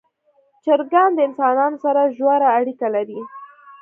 چرګان د انسانانو سره ژوره اړیکه لري.